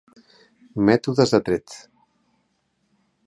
Mètodes de tret.